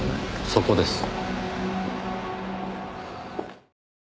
そこです。